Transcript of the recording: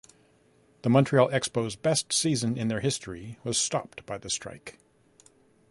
The Montreal Expos' best season in their history was stopped by the strike.